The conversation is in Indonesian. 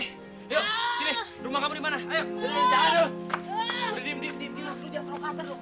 yuk sini rumah kamu dimana ayo